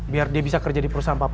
biar dia bisa kerja di perusahaan papan